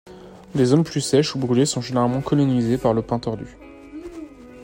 Les zones plus sèches ou brûlées sont généralement colonisées par le pin tordu.